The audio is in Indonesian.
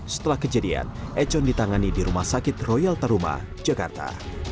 setelah kejadian econ ditangani di rumah sakit royal taruma jakarta